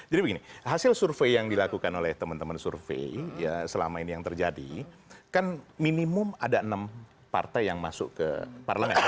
jadi begini hasil survei yang dilakukan oleh teman teman survei ya selama ini yang terjadi kan minimum ada enam partai yang masuk ke parleng